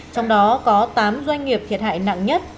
trong đó có tám doanh nghiệp thiệt hại nặng nhất